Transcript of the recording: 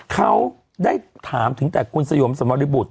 เขาได้ถามถึงแต่คุณสยมสมริบุตร